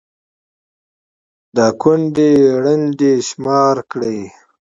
دا كونـډې رنـډې شمار كړئ